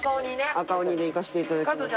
赤鬼でいかせていただきます。